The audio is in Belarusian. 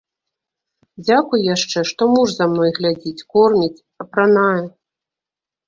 Дзякуй яшчэ, што муж за мной глядзіць, корміць, апранае.